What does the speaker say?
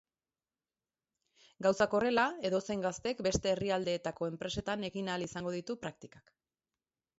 Gauzak horrela, edozein gaztek beste herrialdeetako enpresetan egin ahal izango ditu praktikak.